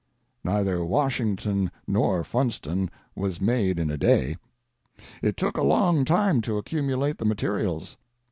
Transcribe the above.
Neither Washington nor Funston was made in a day. It took a long time to accumulate the materials.